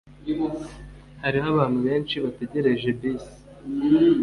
Hariho abantu benshi bategereje bisi.